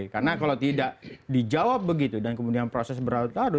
karena kalau tidak dijawab begitu dan kemudian proses beradu adu